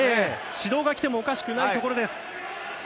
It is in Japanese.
指導がきてもおかしくないところです。